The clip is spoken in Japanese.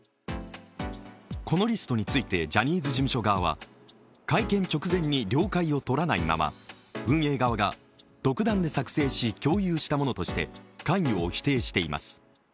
このリストについて、ジャニーズ事務所側は会見直前に了解を取らないまま運営側が独断で作成し共有したものとして関与を否定しています。